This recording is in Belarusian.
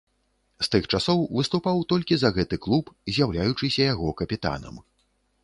З тых часоў выступаў толькі за гэты клуб, з'яўляючыся яго капітанам.